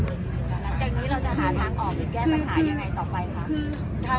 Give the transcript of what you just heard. จากนี้เราจะหาทางออกให้แก้ปัญหาอย่างไรต่อไปคะ